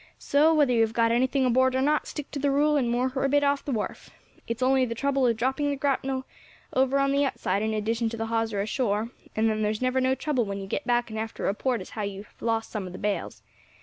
So, whether you have got anything aboard or not, stick to the rule and moor her a bit off the wharf. It's only the trouble of dropping the grapnel over on the outside in addition to the hawser ashore, and then there's never no trouble when you get back and have to report as how you have lost some of the bales.